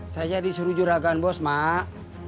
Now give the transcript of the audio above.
saya disuruh juragan bos mak